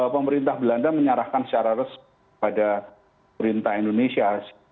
pemerintah belanda menyerahkan secara resmi pada perintah indonesia